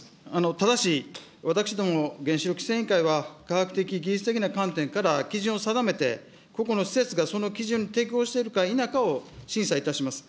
ただし、私ども、原子力規制委員会は、科学的、技術的な観点から基準を定めて、個々の施設がその基準に適合しているか否かを審査いたします。